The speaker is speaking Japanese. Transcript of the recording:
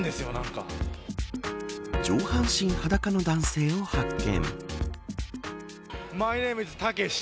上半身裸の男性を発見。